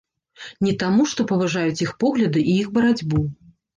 Не таму, што паважаюць іх погляды і іх барацьбу.